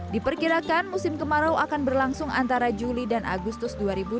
diperkirakan musim kemarau akan berlangsung antara juli dan agustus dua ribu dua puluh